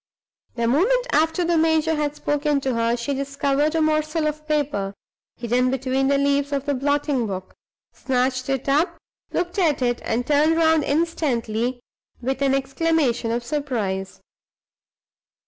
The moment after the major had spoken to her, she discovered a morsel of paper hidden between the leaves of the blotting book, snatched it up, looked at it, and turned round instantly, with an exclamation of surprise.